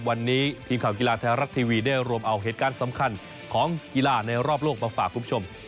วันนี้ทีมข่าวกีฬาไทยรัฐทีวีได้รวมเอาเหตุการณ์สำคัญของกีฬาในรอบโลกมาฝากคุณผู้ชม